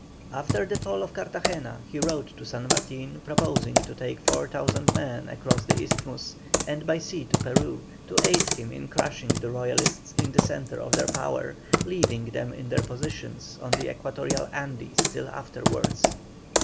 After the fall of Cartagena, he wrote to San Martin, proposing to take 4,000 men across the isthmus, and by sea to Peru, to aid him in crushing the Royalists in the centre of their power, leaving them in their positions on the equatorial Andes till afterwards.